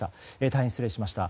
大変失礼しました。